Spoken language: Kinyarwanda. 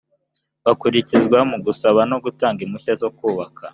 bukurikizwa mu gusaba no gutanga impushya zo kubaka